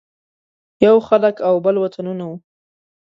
یو خلک او بل وطنونه وو.